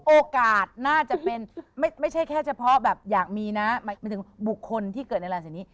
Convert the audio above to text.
โอกาสน่าจะเป็นไม่ใช่แค่เฉพาะแบบอยากมีนะหมายถึงบุคคลที่เกิดในราศีนี้